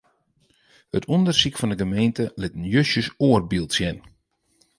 It ûndersyk fan 'e gemeente lit in justjes oar byld sjen.